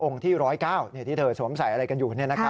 ที่๑๐๙ที่เธอสวมใส่อะไรกันอยู่